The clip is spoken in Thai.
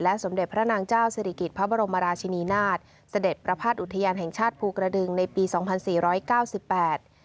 สมเด็จพระนางเจ้าศิริกิจพระบรมราชินีนาฏเสด็จประพาทอุทยานแห่งชาติภูกระดึงในปีสองพันสี่ร้อยเก้าสิบแปด